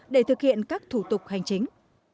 để thực hiện các thủ tục hành chính